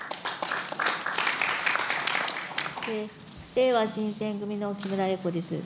れいわ新選組の木村英子です。